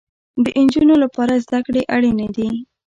د انجونو لپاره زده کړې اړينې دي